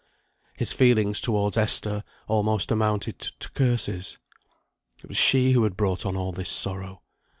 His feelings towards Esther almost amounted to curses. It was she who had brought on all this sorrow.